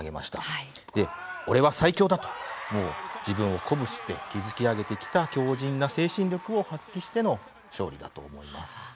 「俺は最強だ」と自分を鼓舞して築き上げてきた強じんな精神力を発揮しての勝利だと思います。